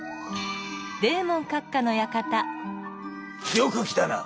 よく来たな！